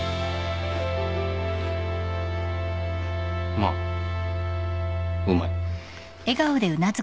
まあうまい。